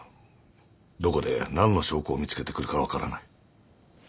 どこで何の証拠を見つけてくるか分からない。